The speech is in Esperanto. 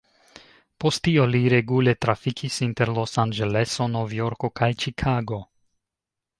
Post tio li regule trafikis inter Los-Anĝeleso, Novjorko kaj Ĉikago.